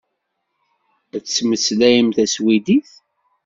Ad temmeslayem taswidit.